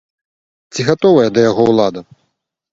Ці гатовая да яго ўлада?